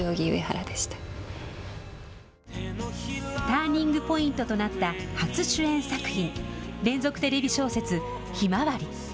ターニングポイントとなった初主演作品、連続テレビ小説、ひまわり。